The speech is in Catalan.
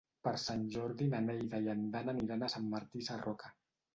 Per Sant Jordi na Neida i en Dan aniran a Sant Martí Sarroca.